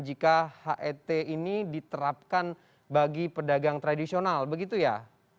jika het ini diterapkan bagi pedagang tradisional begitu ya